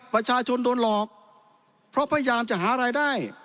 ประชาชนโดนหลอกเพราะพยายามจะหารายได้